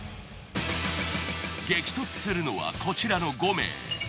激突するのはこちらの５名。